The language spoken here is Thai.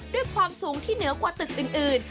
ด้วยความสูงที่เหนือกว่าตึกอื่น